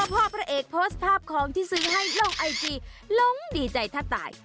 พ่อพระเอกโพสต์ภาพของที่ซื้อให้โลกไอจีหลงดีใจแทบตาย